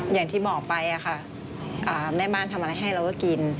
อย่างที่บอกไปค่ะแม่บ้านทำอะไรให้เราก็กิน